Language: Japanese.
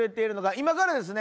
今からですね